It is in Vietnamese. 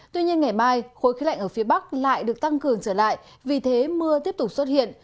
tuy nhiên ngày mai khối khí lạnh ở phía bắc lại được tăng cường trở lại vì thế mưa tiếp tục xuất hiện